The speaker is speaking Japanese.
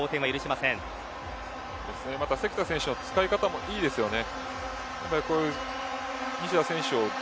関田選手の使い方もいいですよね。